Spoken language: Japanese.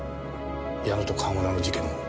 矢野と川村の事件も。